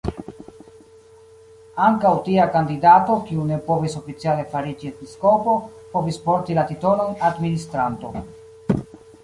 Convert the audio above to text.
Ankaŭ tia kandidato, kiu ne povis oficiale fariĝi episkopo, povis porti la titolon "administranto".